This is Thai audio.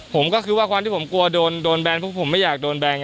ผมก็คือว่าความที่ผมกลัวโดนแบนเพราะผมไม่อยากโดนแบน